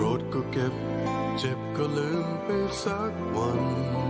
รถก็เก็บเจ็บก็ลืมไปสักวัน